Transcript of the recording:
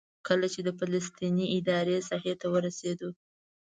کله چې د فلسطیني ادارې ساحې ته ورسېدو.